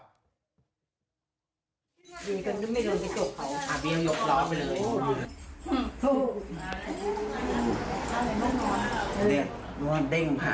อยู่กันก็ไม่รู้ว่าจะจบเขา